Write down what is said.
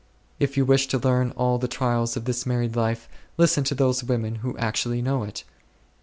If you wish to learn all the trials of this married life, listen to those women who actually know it.